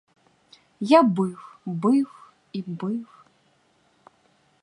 Я бив, бив і бив.